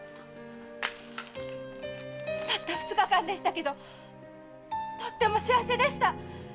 たった二日間でしたけどとっても幸せでした！